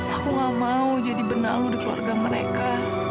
aku gak mau jadi benalu di keluarga mereka